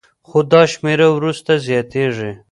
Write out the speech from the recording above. خو دا شمېر وروسته زیاتېږي